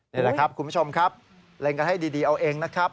นี่แหละครับคุณผู้ชมครับเล็งกันให้ดีเอาเองนะครับ